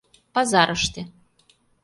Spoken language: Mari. ПАЗАРЫШТЕ